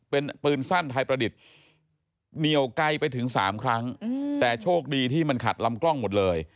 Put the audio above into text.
เป็นปืนสั้นไทยประดิษฐ์เหนียวไกลไปถึง๓ครั้งแต่โชคดีที่มันขัดลำกล้องหมดเลย